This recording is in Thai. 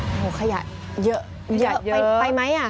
โอ้โฮขยะเยอะไปไหม